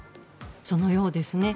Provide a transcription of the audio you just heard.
そのようですね。